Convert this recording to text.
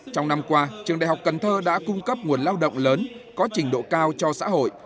trong năm qua trường đại học cần thơ đã cung cấp nguồn lao động lớn có trình độ cao cho xã hội